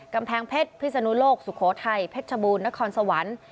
กำแพงเพชรพิศนุโลกสุโขทัยเพชรชบูรณครสวรรค์